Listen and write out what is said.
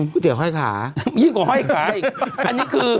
๋วห้อยขายิ่งกว่าห้อยขาอีกอันนี้คือ